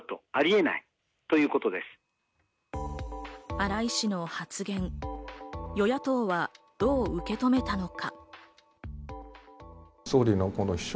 荒井氏の発言、与野党はどう受け止めたのか？